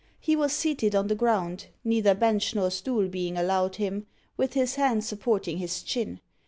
He was seated on the ground neither bench nor stool being allowed him with his hand supporting his chin.